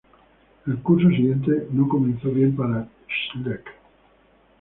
El curso siguiente no comenzó bien para Schleck.